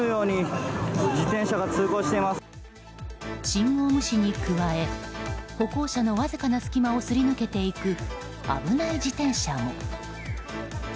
信号無視に加え歩行者のわずかな隙間をすり抜けていく、危ない自転車も。